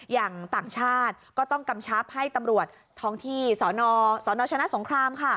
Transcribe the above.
อย่างต่างชาติก็ต้องกำชับให้ตำรวจท้องที่สนชนะสงคราม